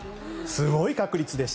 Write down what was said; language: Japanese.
すごい確率でした。